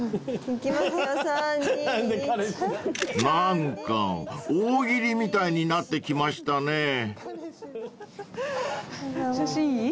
［何か大喜利みたいになってきましたね］